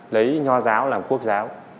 lấy nho giáo làm quốc giáo